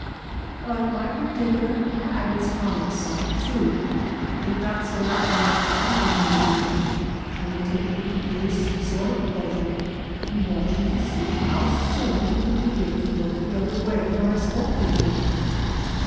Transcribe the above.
But my predicament had its comic side, too. It got so that when I foimd a new room mate I would take a perverse sort of pleasure in watching to see how soon he would begin to look the other way when I spoke to him.